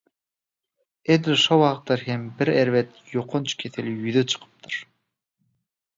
Edil şo wagtlar hem bir erbet ýokanç kesel ýüze çykypdyr